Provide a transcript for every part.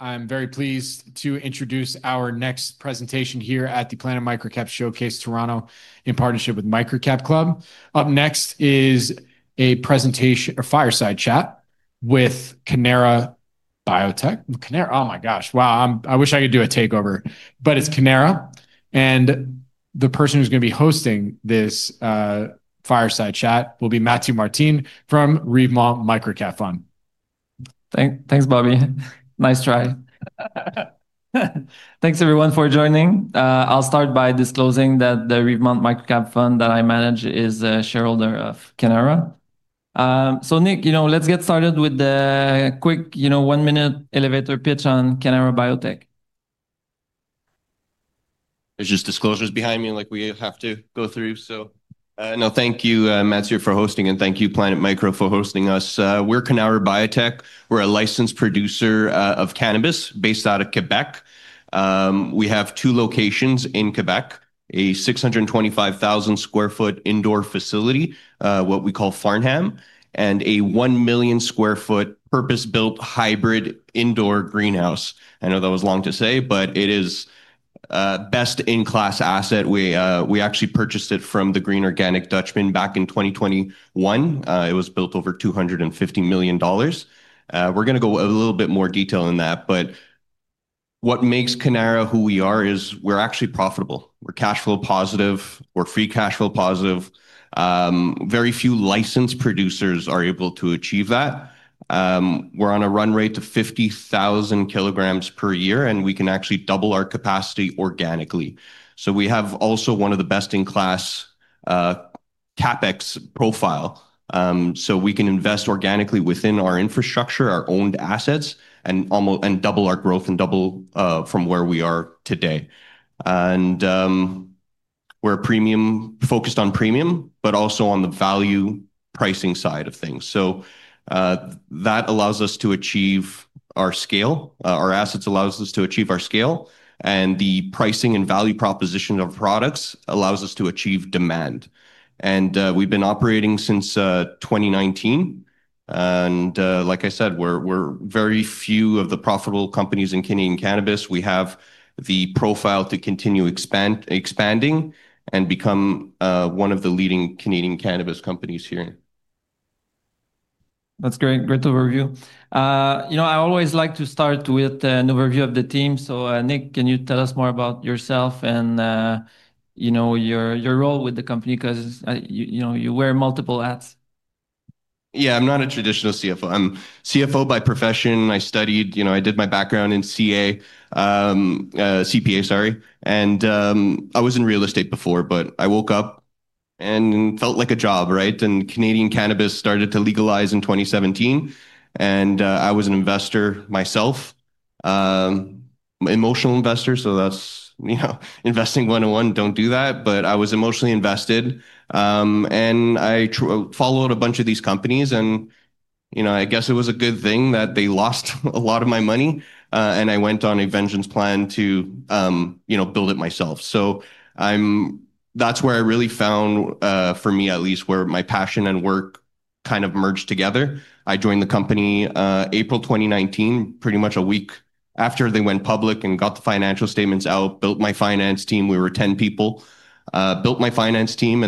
I'm very pleased to introduce our next presentation here at the Planet Microcap Showcase Toronto in partnership with Microcap Club. Up next is a presentation or fireside chat with Cannara Biotech. Cannara, oh my gosh, wow, I wish I could do a takeover, but it's Cannara. The person who's going to be hosting this fireside chat will be Mathieu Martin from Rivemont Microcap Fund. Thanks, Bobby. Nice try. Thanks everyone for joining. I'll start by disclosing that the Rivemont Microcap Fund that I manage is a shareholder of Cannara. Nick, let's get started with the quick, one-minute elevator pitch on Cannara Biotech. Just disclosures behind me we have to go through. Thank you, Mathieu, for hosting, and thank you, Planet Micro for hosting us. We're Cannara Biotech. We're a licensed producer of cannabis based out of Quebec. We have two locations in Quebec: a 625,000 sq ft indoor facility, what we call Farnham, and a 1 million sq ft purpose-built hybrid indoor greenhouse. I know that was long to say, but it is a best-in-class asset. We actually purchased it from The Green Organic Dutchman back in 2021. It was built over $250 million. We're going to go a little bit more detail in that, but what makes Cannara who we are is we're actually profitable. We're cash flow positive. We're free cash flow positive. Very few licensed producers are able to achieve that. We're on a run rate of 50,000 kg per year, and we can actually double our capacity organically. We have also one of the best-in-class CapEx profiles. We can invest organically within our infrastructure, our owned assets, and double our growth and double from where we are today. We're focused on premium, but also on the value pricing side of things. That allows us to achieve our scale. Our assets allow us to achieve our scale, and the pricing and value proposition of products allow us to achieve demand. We've been operating since 2019. Like I said, we're very few of the profitable companies in Canadian cannabis. We have the profile to continue expanding and become one of the leading Canadian cannabis companies here. That's great. Great overview. I always like to start with an overview of the team. Nick, can you tell us more about yourself and your role with the company? Because you wear multiple hats. Yeah, I'm not a traditional CFO. I'm CFO by profession. I studied, you know, I did my background in CA, CPA, sorry. I was in real estate before, but I woke up and felt like a job, right? Canadian cannabis started to legalize in 2017. I was an investor myself, emotional investor. That's, you know, investing 101, don't do that. I was emotionally invested. I followed a bunch of these companies. I guess it was a good thing that they lost a lot of my money. I went on a vengeance plan to build it myself. That's where I really found, for me at least, where my passion and work kind of merged together. I joined the company April 2019, pretty much a week after they went public and got the financial statements out, built my finance team. We were 10 people. Built my finance team.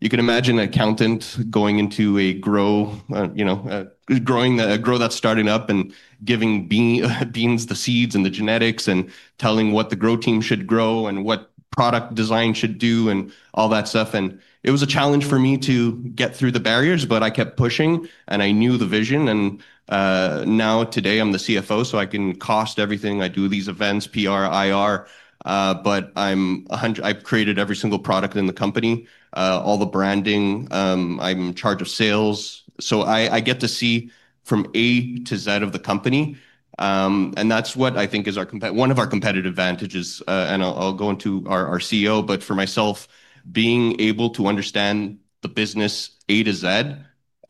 You can imagine an accountant going into a grow, you know, growing a grow that's starting up and giving beans, the seeds, and the genetics and telling what the grow team should grow and what product design should do and all that stuff. It was a challenge for me to get through the barriers, but I kept pushing and I knew the vision. Now today I'm the CFO, so I can cost everything. I do these events, PR, IR, but I'm 100. I've created every single product in the company, all the branding. I'm in charge of sales. I get to see from A to Z of the company. That's what I think is one of our competitive advantages. I'll go into our CEO, but for myself, being able to understand the business A to Z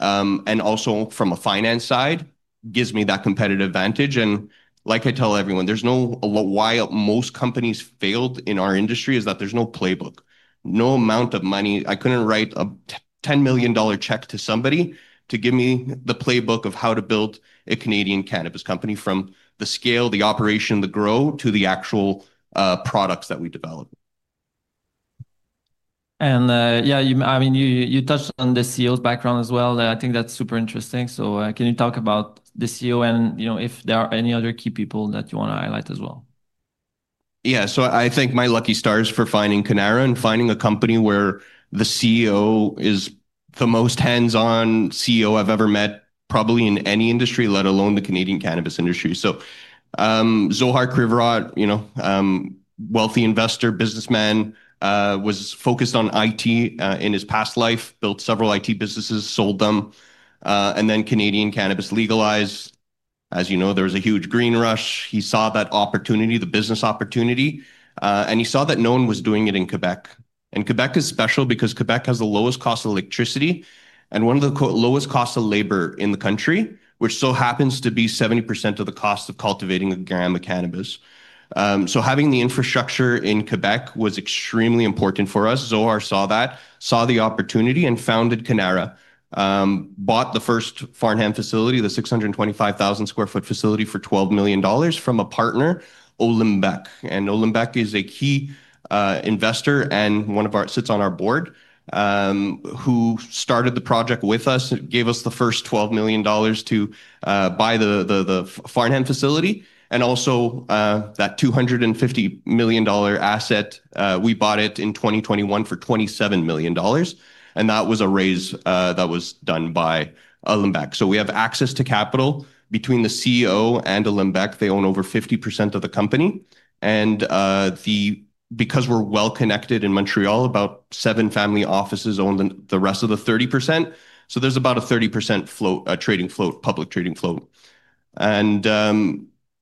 and also from a finance side gives me that competitive advantage. Like I tell everyone, why most companies failed in our industry is that there's no playbook. No amount of money. I couldn't write a $10 million check to somebody to give me the playbook of how to build a Canadian cannabis company from the scale, the operation, the grow to the actual products that we develop. Yeah, I mean, you touched on the CEO's background as well. I think that's super interesting. Can you talk about the CEO and if there are any other key people that you want to highlight as well? Yeah, I thank my lucky stars for finding Cannara and finding a company where the CEO is the most hands-on CEO I've ever met, probably in any industry, let alone the Canadian cannabis industry. Zohar Krivorot, you know, wealthy investor, businessman, was focused on IT in his past life, built several IT businesses, sold them, and then Canadian cannabis legalized. As you know, there was a huge green rush. He saw that opportunity, the business opportunity, and he saw that no one was doing it in Quebec. Quebec is special because Quebec has the lowest cost of electricity and one of the lowest costs of labor in the country, which so happens to be 70% of the cost of cultivating 1 g of cannabis. Having the infrastructure in Quebec was extremely important for us. Zohar saw that, saw the opportunity, and founded Cannara, bought the first Farnham facility, the 625,000 sq ft facility for $12 million from a partner, Olymbec. Olymbec is a key investor and sits on our board, who started the project with us, gave us the first $12 million to buy the Farnham facility. Also, that $250 million asset, we bought it in 2021 for $27 million. That was a raise that was done by Olymbec. We have access to capital between the CEO and Olymbec. They own over 50% of the company. Because we're well connected in Montreal, about seven family offices own the rest of the 30%. There's about a 30% float, a trading float, public trading float.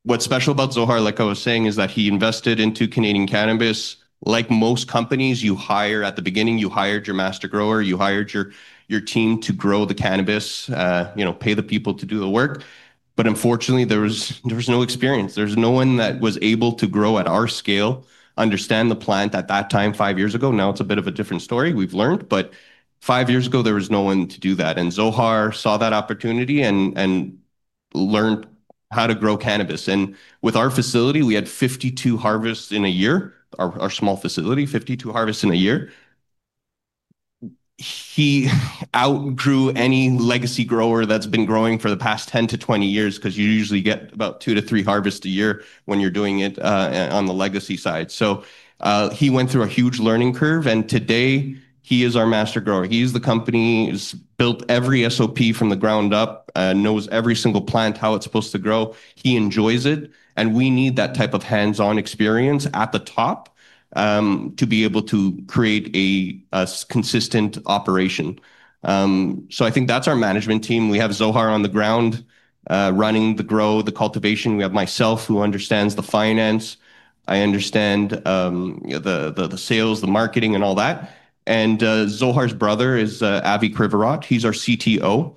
What's special about Zohar, like I was saying, is that he invested into Canadian cannabis. Like most companies, you hire at the beginning, you hired your master grower, you hired your team to grow the cannabis, you know, pay the people to do the work. Unfortunately, there was no experience. There was no one that was able to grow at our scale, understand the plant at that time, five years ago. Now it's a bit of a different story. We've learned, but five years ago, there was no one to do that. Zohar saw that opportunity and learned how to grow cannabis. With our facility, we had 52 harvests in a year, our small facility, 52 harvests in a year. He outgrew any legacy grower that's been growing for the past 10-20 years because you usually get about two to three harvests a year when you're doing it on the legacy side. He went through a huge learning curve. Today, he is our master grower. He is the one that has built every SOP from the ground up, knows every single plant, how it's supposed to grow. He enjoys it. We need that type of hands-on experience at the top to be able to create a consistent operation. I think that's our management team. We have Zohar on the ground running the grow, the cultivation. We have myself who understands the finance. I understand the sales, the marketing, and all that. Zohar's brother is Avi Krivorot. He's our CTO.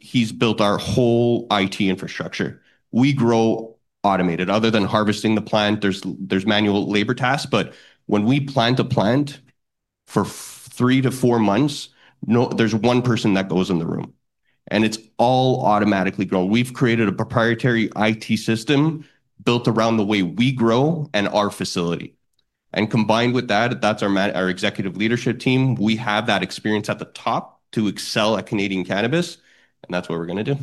He's built our whole IT infrastructure. We grow automated. Other than harvesting the plant, there's manual labor tasks. When we plant a plant for three to four months, there's one person that goes in the room. It's all automatically grown. We've created a proprietary IT system built around the way we grow and our facility. Combined with that, that's our executive leadership team. We have that experience at the top to excel at Canadian cannabis. That's what we're going to do.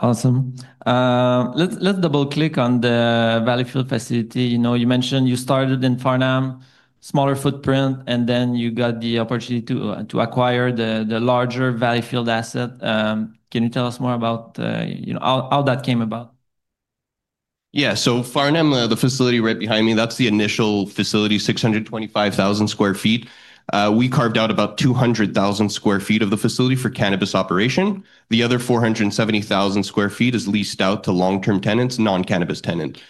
Awesome. Let's double click on the Valleyfield facility. You mentioned you started in Farnham, smaller footprint, and then you got the opportunity to acquire the larger Valleyfield asset. Can you tell us more about how that came about? Yeah, so Farnham, the facility right behind me, that's the initial facility, 625,000 sq ft. We carved out about 200,000 sq ft of the facility for cannabis operation. The other 470,000 sq ft is leased out to long-term tenants, non-cannabis tenants.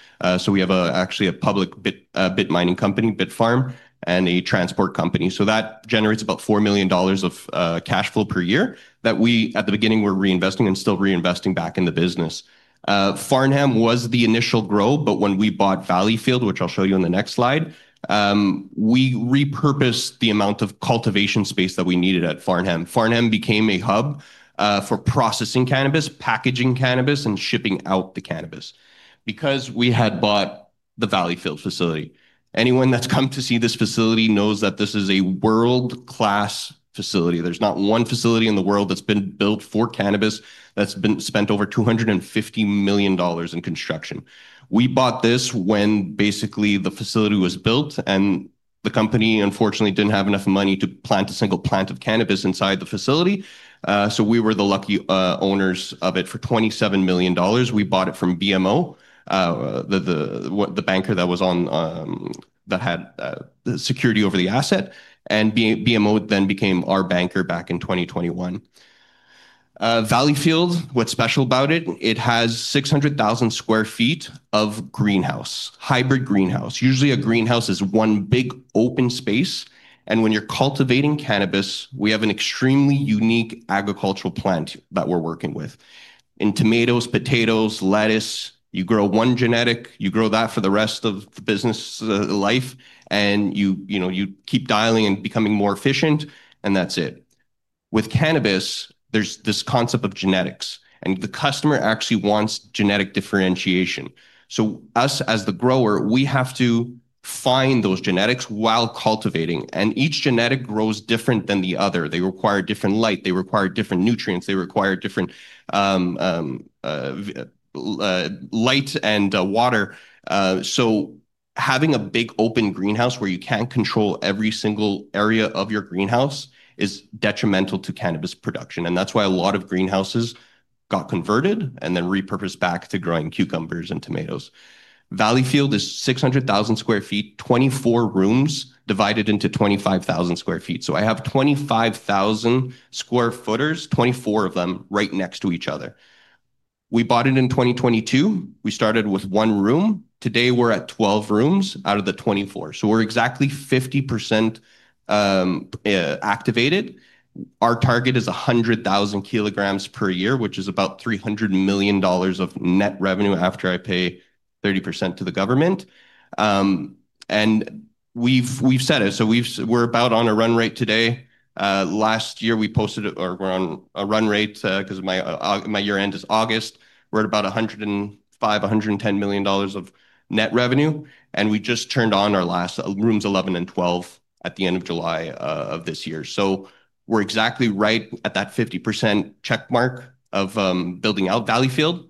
We have actually a public bit mining company, Bitfarms and a transport company. That generates about $4 million of cash flow per year that we, at the beginning, were reinvesting and still reinvesting back in the business. Farnham was the initial grow, but when we bought Valleyfield, which I'll show you in the next slide, we repurposed the amount of cultivation space that we needed at Farnham. Farnham became a hub for processing cannabis, packaging cannabis, and shipping out the cannabis because we had bought the Valleyfield facility. Anyone that's come to see this facility knows that this is a world-class facility. There's not one facility in the world that's been built for cannabis that's spent over $250 million in construction. We bought this when basically the facility was built, and the company, unfortunately, didn't have enough money to plant a single plant of cannabis inside the facility. We were the lucky owners of it for $27 million. We bought it from BMO, the banker that was on that had security over the asset. BMO then became our banker back in 2021. Valleyfield, what's special about it? It has 600,000 sq ft of greenhouse, hybrid greenhouse. Usually, a greenhouse is one big open space. When you're cultivating cannabis, we have an extremely unique agricultural plant that we're working with. In tomatoes, potatoes, lettuce, you grow one genetic, you grow that for the rest of the business life, and you keep dialing and becoming more efficient, and that's it. With cannabis, there's this concept of genetics, and the customer actually wants genetic differentiation. Us, as the grower, we have to find those genetics while cultivating. Each genetic grows different than the other. They require different light, they require different nutrients, they require different light and water. Having a big open greenhouse where you can't control every single area of your greenhouse is detrimental to cannabis production. That's why a lot of greenhouses got converted and then repurposed back to growing cucumbers and tomatoes. Valleyfield is 600,000 sq ft, 24 rooms divided into 25,000 sq ft. I have 25,000 square footers, 24 of them right next to each other. We bought it in 2022. We started with one room. Today, we're at 12 rooms out of the 24. We're exactly 50% activated. Our target is 100,000 kg per year, which is about $300 million of net revenue after I pay 30% to the government. We've set it. We're about on a run rate today. Last year, we posted it, or we're on a run rate because my year end is August. We're at about $105 million, $110 million of net revenue. We just turned on our last rooms, 11 and 12, at the end of July of this year. We're exactly right at that 50% check mark of building out Valleyfield.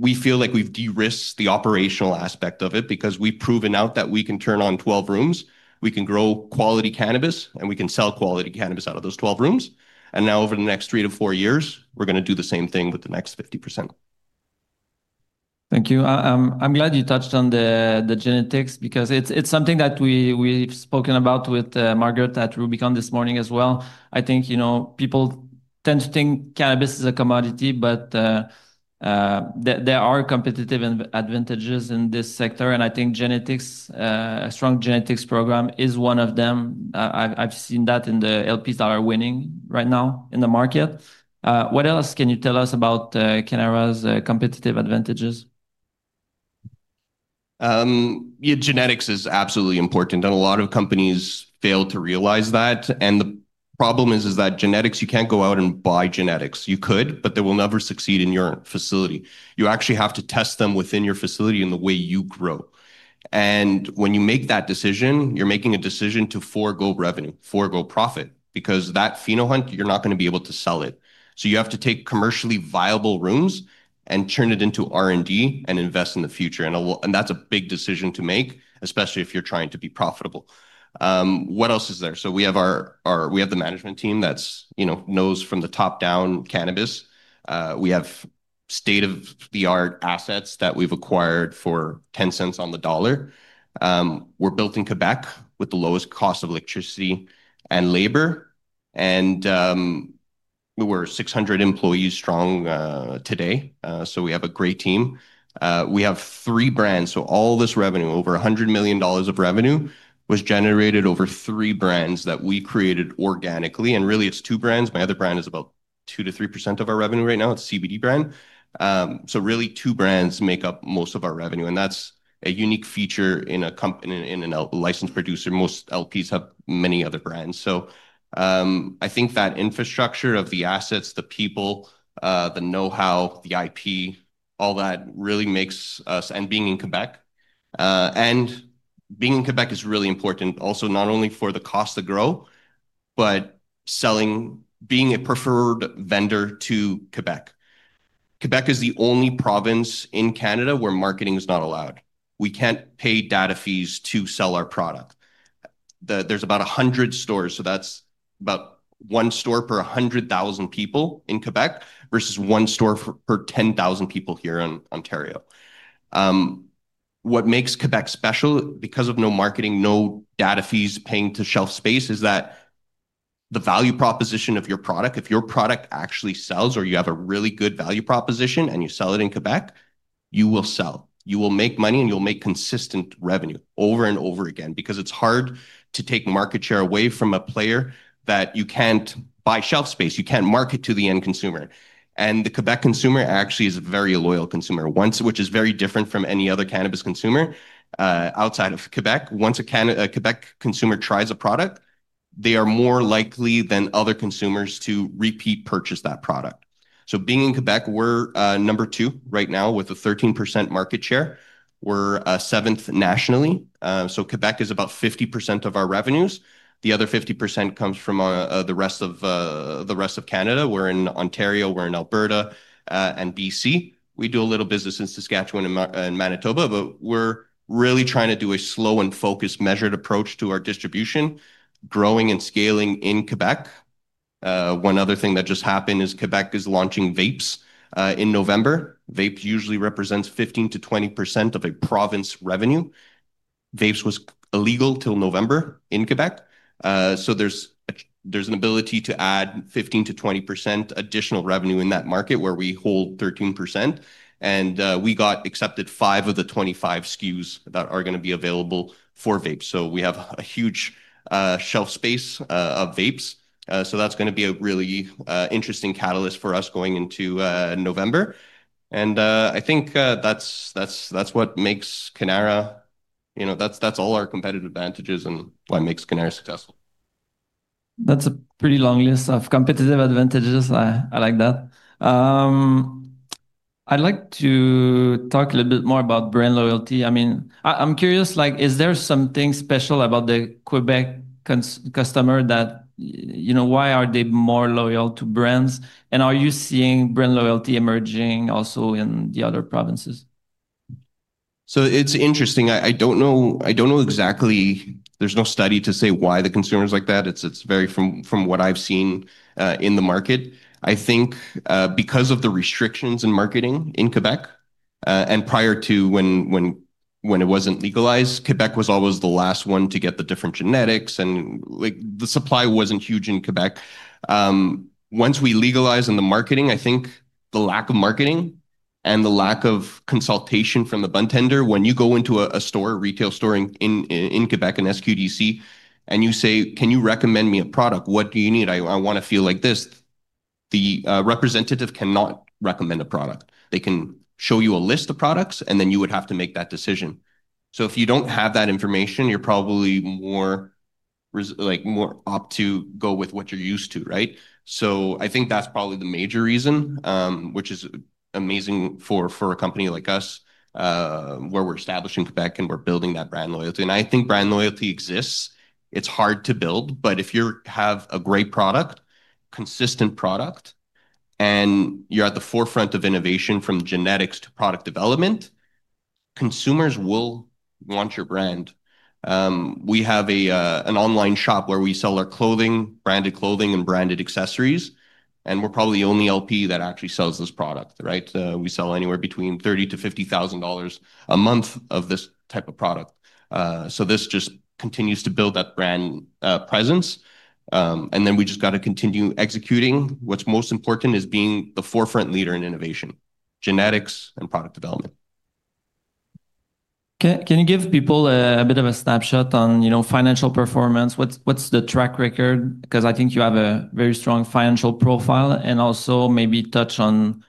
We feel like we've de-risked the operational aspect of it because we've proven out that we can turn on 12 rooms, we can grow quality cannabis, and we can sell quality cannabis out of those 12 rooms. Now, over the next three to four years, we're going to do the same thing with the next 50%. Thank you. I'm glad you touched on the genetics because it's something that we've spoken about with Margaret at Rubicon this morning as well. I think people tend to think cannabis is a commodity, but there are competitive advantages in this sector. I think genetics, a strong genetics program, is one of them. I've seen that in the LPs that are winning right now in the market. What else can you tell us about Cannara's competitive advantages? Genetics is absolutely important. A lot of companies fail to realize that. The problem is that genetics, you can't go out and buy genetics. You could, but they will never succeed in your facility. You actually have to test them within your facility in the way you grow. When you make that decision, you're making a decision to forego revenue, forego profit, because that phenol hunt, you're not going to be able to sell it. You have to take commercially viable rooms and turn it into R&D and invest in the future. That's a big decision to make, especially if you're trying to be profitable. What else is there? We have the management team that knows from the top down cannabis. We have state-of-the-art assets that we've acquired for $0.10 on the dollar. We're built in Quebec with the lowest cost of electricity and labor. We're 600 employees strong today. We have a great team. We have three brands. All this revenue, over $100 million of revenue, was generated over three brands that we created organically. Really, it's two brands. My other brand is about 2%-3% of our revenue right now. It's a CBD brand. Really, two brands make up most of our revenue. That's a unique feature in a licensed producer. Most LPs have many other brands. I think that infrastructure of the assets, the people, the know-how, the IP, all that really makes us, and being in Quebec, and being in Quebec is really important. Also, not only for the cost to grow, but selling, being a preferred vendor to Quebec. Quebec is the only province in Canada where marketing is not allowed. We can't pay data fees to sell our product. There's about 100 stores. That's about one store per 100,000 people in Quebec versus one store per 10,000 people here in Ontario. What makes Quebec special, because of no marketing, no data fees paying to shelf space, is that the value proposition of your product, if your product actually sells or you have a really good value proposition and you sell it in Quebec, you will sell. You will make money and you'll make consistent revenue over and over again because it's hard to take market share away from a player that you can't buy shelf space. You can't market to the end consumer. The Quebec consumer actually is a very loyal consumer, which is very different from any other cannabis consumer outside of Quebec. Once a Quebec consumer tries a product, they are more likely than other consumers to repeat purchase that product. Being in Quebec, we're number two right now with a 13% market share. We're seventh nationally. Quebec is about 50% of our revenues. The other 50% comes from the rest of Canada. We're in Ontario, we're in Alberta, and BC. We do a little business in Saskatchewan and Manitoba, but we're really trying to do a slow and focused measured approach to our distribution, growing and scaling in Quebec. One other thing that just happened is Quebec is launching vapes in November. Vapes usually represent 15%-20% of a province's revenue. Vapes were illegal until November in Quebec. There's an ability to add 15%-20% additional revenue in that market where we hold 13%. We got accepted for five of the 25 SKUs that are going to be available for vapes. We have a huge shelf space of vapes. That's going to be a really interesting catalyst for us going into November. I think that's what makes Cannara, you know, that's all our competitive advantages and what makes Cannara successful. That's a pretty long list of competitive advantages. I like that. I'd like to talk a little bit more about brand loyalty. I'm curious, is there something special about the Quebec customer that, you know, why are they more loyal to brands? Are you seeing brand loyalty emerging also in the other provinces? It's interesting. I don't know exactly. There's no study to say why the consumer is like that. It's very, from what I've seen in the market, I think because of the restrictions in marketing in Quebec and prior to when it wasn't legalized, Quebec was always the last one to get the different genetics. The supply wasn't huge in Quebec. Once we legalized in the marketing, I think the lack of marketing and the lack of consultation from the bartender, when you go into a retail store in Quebec and SQDC, and you say, can you recommend me a product? What do you need? I want to feel like this. The representative cannot recommend a product. They can show you a list of products, and then you would have to make that decision. If you don't have that information, you're probably more apt to go with what you're used to, right? I think that's probably the major reason, which is amazing for a company like us where we're established in Quebec and we're building that brand loyalty. I think brand loyalty exists. It's hard to build, but if you have a great product, consistent product, and you're at the forefront of innovation from genetics to product development, consumers will want your brand. We have an online shop where we sell our branded clothing and branded accessories. We're probably the only LP that actually sells this product, right? We sell anywhere between $30,000-$50,000 a month of this type of product. This just continues to build that brand presence. We just have to continue executing. What's most important is being the forefront leader in innovation, genetics, and product development. Can you give people a bit of a snapshot on, you know, financial performance? What's the track record? I think you have a very strong financial profile and also maybe touch on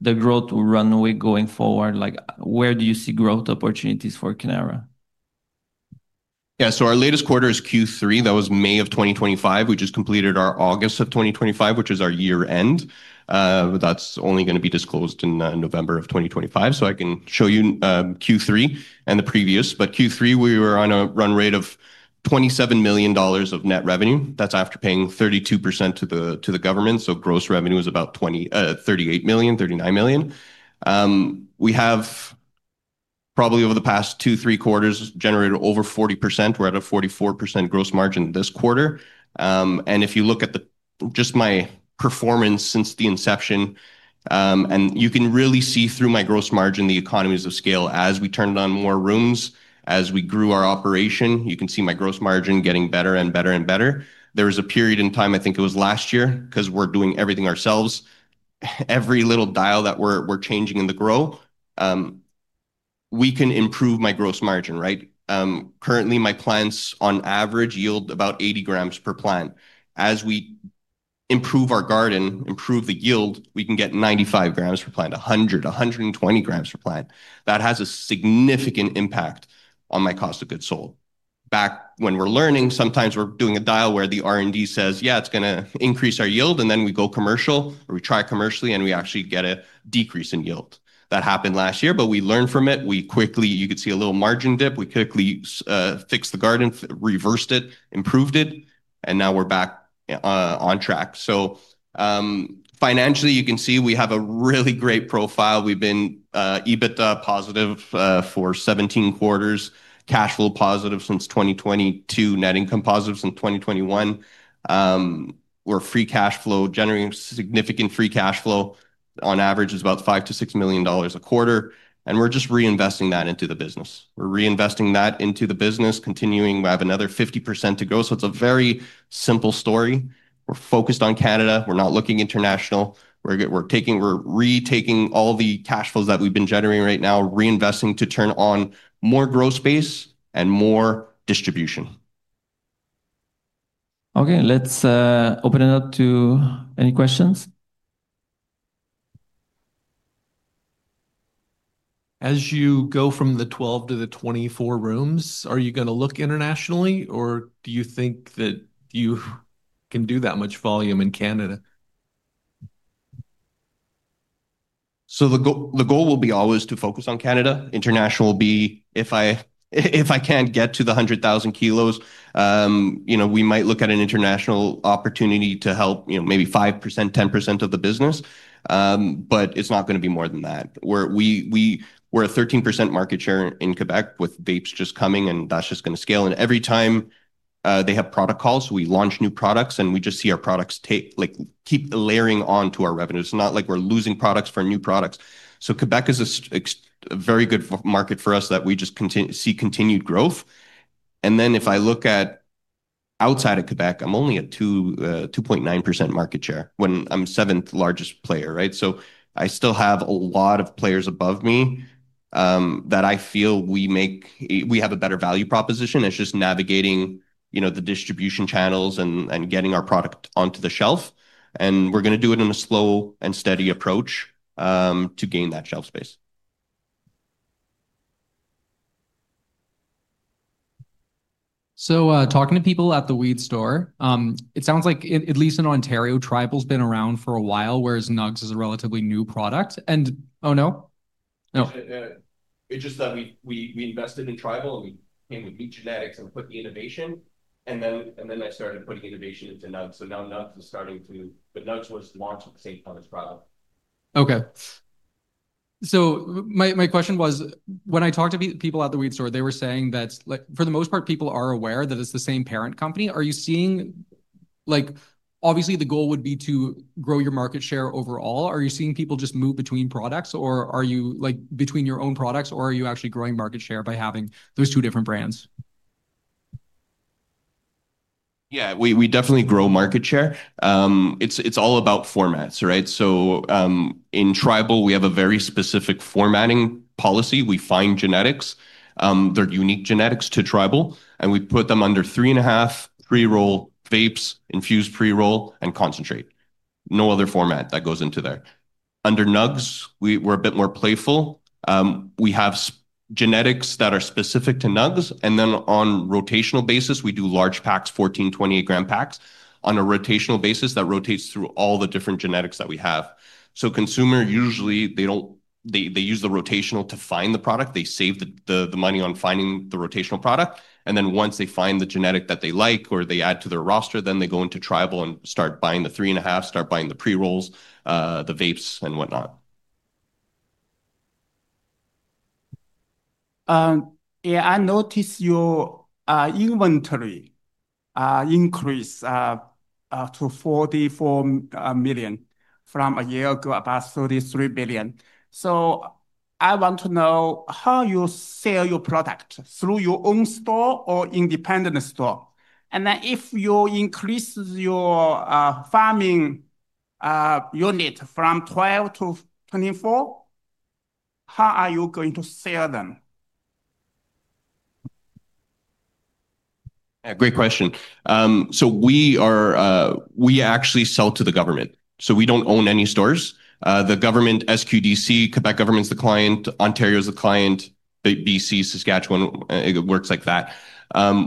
the growth we run with going forward. Where do you see growth opportunities for Cannara? Yeah, so our latest quarter is Q3. That was May of 2025. We just completed our August of 2025, which is our year-end. That is only going to be disclosed in November of 2025. I can show you Q3 and the previous. Q3, we were on a run rate of $27 million of net revenue, that is after paying 32% to the government. Gross revenue is about $38 million, $39 million. We have probably over the past two, three quarters generated over 40%. We are at a 44% gross margin this quarter. If you look at just my performance since the inception, you can really see through my gross margin the economies of scale. As we turned on more rooms, as we grew our operation, you can see my gross margin getting better and better and better. There was a period in time, I think it was last year, because we are doing everything ourselves, every little dial that we are changing in the grow, we can improve my gross margin, right? Currently, my plants on average yield about 80 g per plant. As we improve our garden, improve the yield, we can get 95 g per plant, 100 g, 120 g per plant. That has a significant impact on my cost of goods sold. Back when we are learning, sometimes we are doing a dial where the R&D says, yeah, it is going to increase our yield, and then we go commercial, or we try commercially, and we actually get a decrease in yield. That happened last year, but we learned from it. You could see a little margin dip. We quickly fixed the garden, reversed it, improved it, and now we are back on track. Financially, you can see we have a really great profile. We have been EBITDA positive for 17 quarters, cash flow positive since 2022, net income positive since 2021. We are free cash flow, generating significant free cash flow. On average, it is about $5 million-$6 million a quarter. We are just reinvesting that into the business. We are reinvesting that into the business, continuing. We have another 50% to go. It is a very simple story. We are focused on Canada. We are not looking international. We are retaking all the cash flows that we have been generating right now, reinvesting to turn on more growth space and more distribution. Okay, let's open it up to any questions. As you go from the 12 to the 24 rooms, are you going to look internationally, or do you think that you can do that much volume in Canada? The goal will always be to focus on Canada. International will be, if I can get to the 100,000 kg, you know, we might look at an international opportunity to help, maybe 5% or 10% of the business. It's not going to be more than that. We're at 13% market share in Quebec with vapes just coming, and that's just going to scale. Every time they have product calls, we launch new products, and we just see our products keep layering onto our revenues. It's not like we're losing products for new products. Quebec is a very good market for us that we just see continued growth. If I look at outside of Quebec, I'm only at 2.9% market share when I'm the seventh largest player, right? I still have a lot of players above me that I feel we have a better value proposition. It's just navigating the distribution channels and getting our product onto the shelf. We're going to do it in a slow and steady approach to gain that shelf space. Talking to people at the weed store, it sounds like at least in Ontario, Tribal's been around for a while, whereas Nugz is a relatively new product. Oh no, no. It's just that we invested in Tribal and we came with meat genetics and put the innovation. I started putting innovation into Nugz. Now Nugz is starting to, but Nugz was launched at the same time as Tribal. Okay. My question was, when I talked to people at the weed store, they were saying that for the most part, people are aware that it's the same parent company. Are you seeing, obviously the goal would be to grow your market share overall, are you seeing people just move between products, like between your own products, or are you actually growing market share by having those two different brands? Yeah, we definitely grow market share. It's all about formats, right? In Tribal, we have a very specific formatting policy. We find genetics, they're unique genetics to Tribal, and we put them under 3.5 g pre-rolls, vapes, infused pre-roll, and concentrate. No other format goes into there. Under Nugz, we're a bit more playful. We have genetics that are specific to Nugz, and on a rotational basis, we do large packs, 14 g, 28 g packs on a rotational basis that rotates through all the different genetics that we have. Consumers usually use the rotational to find the product. They save money on finding the rotational product. Once they find the genetic that they like or they add to their roster, they go into Tribal and start buying the 3.5 g, start buying the pre-rolls, the vapes, and whatnot. Yeah, I noticed your inventory increased to $44 million from a year ago, about $33 million. I want to know how you sell your product through your own store or independent store. If you increase your farming unit from 12-24, how are you going to sell them? Yeah, great question. We actually sell to the government. We don't own any stores. The government, SQDC, Quebec government's the client, Ontario's the client, BC, Saskatchewan, it works like that.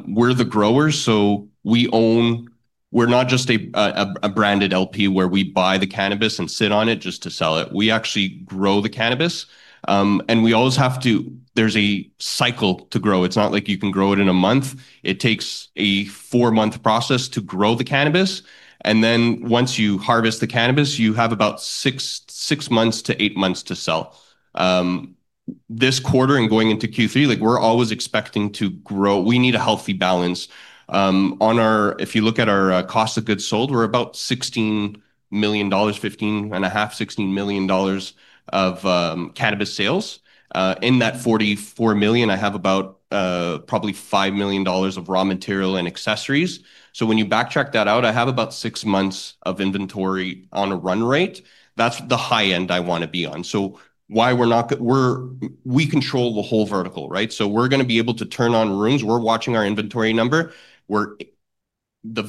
We're the growers, so we own, we're not just a branded LP where we buy the cannabis and sit on it just to sell it. We actually grow the cannabis. We always have to, there's a cycle to grow. It's not like you can grow it in a month. It takes a four-month process to grow the cannabis. Once you harvest the cannabis, you have about six months to eight months to sell. This quarter and going into Q3, we're always expecting to grow. We need a healthy balance. If you look at our cost of goods sold, we're about $16 million, $15.5 million, $16 million of cannabis sales. In that $44 million, I have about probably $5 million of raw material and accessories. When you backtrack that out, I have about six months of inventory on a run rate. That's the high end I want to be on. We control the whole vertical, right? We're going to be able to turn on rooms. We're watching our inventory number. The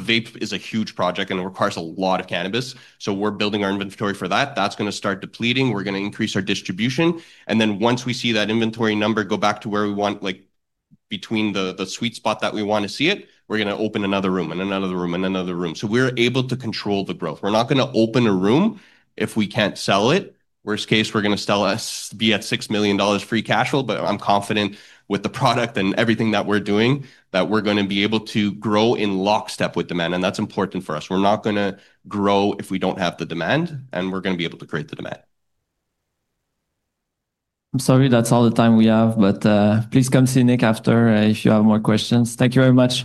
vape is a huge project and it requires a lot of cannabis. We're building our inventory for that. That's going to start depleting. We're going to increase our distribution. Once we see that inventory number go back to where we want, like between the sweet spot that we want to see it, we're going to open another room and another room and another room. We're able to control the growth. We're not going to open a room if we can't sell it. Worst case, we're going to sell us, be at $6 million free cash flow. I'm confident with the product and everything that we're doing that we're going to be able to grow in lockstep with demand. That's important for us. We're not going to grow if we don't have the demand. We're going to be able to create the demand. I'm sorry, that's all the time we have, but please come see Nick after if you have more questions. Thank you very much.